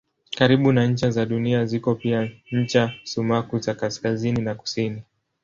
Karibu na ncha za Dunia ziko pia ncha sumaku za kaskazini na kusini.